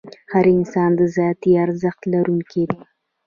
هر انسان د ذاتي ارزښت لرونکی دی.